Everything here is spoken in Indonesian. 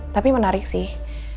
tapi menarik sih